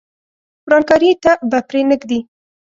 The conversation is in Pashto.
ورانکاري ته به پرې نه ږدي.